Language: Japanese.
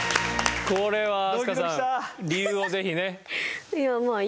これは飛鳥さん理由をぜひね。